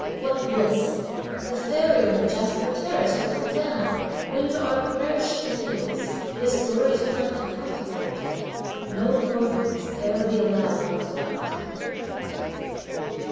What bliss! the fairy on the jasper terrace will come down! When to our prayers she yields, this glorious park to contemplate, No mortal must e'er be allowed these grounds to penetrate.